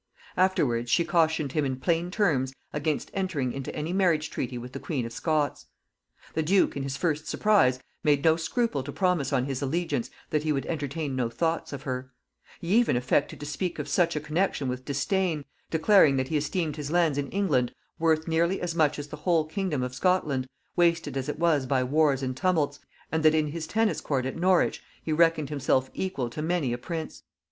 Afterwards she cautioned him in plain terms against entering into any marriage treaty with the queen of Scots. The duke, in his first surprise, made no scruple to promise on his allegiance that he would entertain no thoughts of her; he even affected to speak of such a connexion with disdain, declaring that he esteemed his lands in England worth nearly as much as the whole kingdom of Scotland, wasted as it was by wars and tumults, and that in his tennis court at Norwich he reckoned himself equal to many a prince.